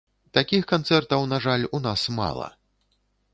Такіх канцэртаў, на жаль, у нас мала.